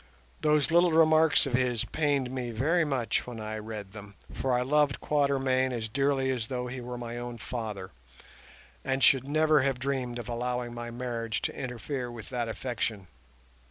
Those little remarks of his pained me very much when I read them, for I loved Quatermain as dearly as though he were my own father, and should never have dreamed of allowing my marriage to interfere with that affection.